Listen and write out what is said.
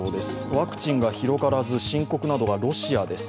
ワクチンが広がらず深刻なのはロシアです。